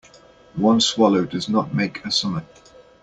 One swallow does not make a summer.